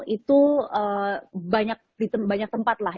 itu banyak tempat lah